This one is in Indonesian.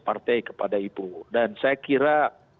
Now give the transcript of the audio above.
partai kepada ibu dan saya kira